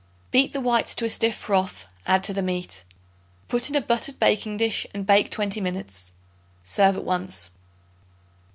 Beat the whites to a stiff froth; add to the meat. Put in a buttered baking dish and bake twenty minutes. Serve at once.